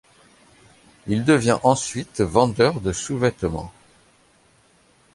Il devient ensuite vendeur de sous-vêtements.